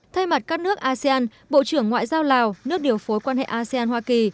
thay mặt các nước asean bộ trưởng ngoại giao lào nước điều phối quan hệ asean hoa kỳ